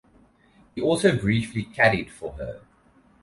He also briefly caddied for her.